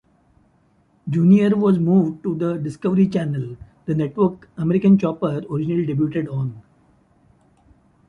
Junior was moved to the Discovery Channel, the network "American Chopper" originally debuted on.